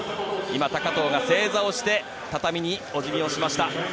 高藤が正座をして畳にお辞儀をしました。